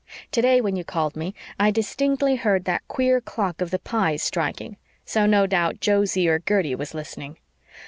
Today, when you called me, I distinctly heard that queer clock of the Pyes' striking. So no doubt Josie or Gertie was listening."